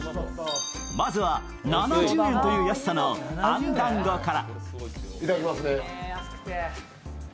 まずは、７０円という安さのあんだんごから。